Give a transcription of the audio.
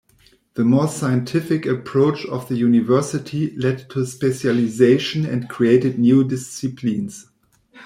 The more scientific approach of the university led to specialisation and created new disciplines.